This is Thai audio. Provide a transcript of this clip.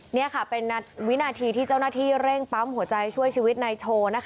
นี่ค่ะเป็นวินาทีที่เจ้าหน้าที่เร่งปั๊มหัวใจช่วยชีวิตนายโชว์